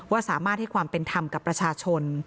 สามารถให้ความเป็นธรรมกับประชาชน